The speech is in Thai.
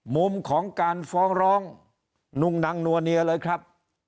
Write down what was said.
มุมของการฟ้องร้องนุ่งนังนัวเนียเลยครับ